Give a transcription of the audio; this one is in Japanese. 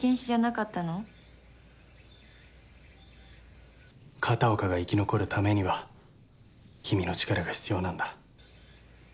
「かたおか」が生き残るためには君の力が必要なんだ